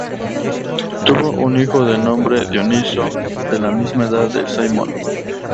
Tuvo un hijo de nombre Dionisio, de la misma edad de Simón.